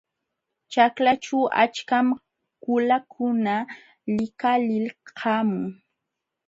Ćhaklaćhu achkam qulakuna likalilqamun.